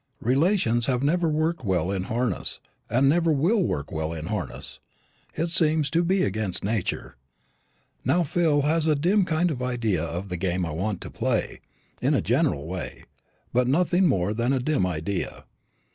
Relations never have worked well in harness, and never will work well in harness. It seems to be against nature. Now Phil has a dim kind of idea of the game I want to play, in a general way, but nothing more than a dim idea.